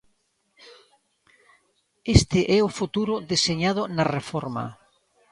Este é o futuro deseñado na reforma.